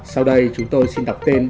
sau đây chúng tôi xin đọc tên bảy tác phẩm